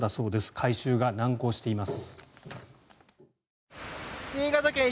回収が難航しています。